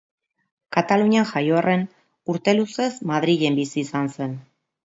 Katalunian jaio arren, urte luzez Madrilen bizi izan zen.